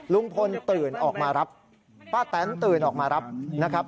ลุงพลตื่นออกมารับป้าแตนตื่นออกมารับนะครับ